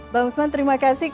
bang usman terima kasih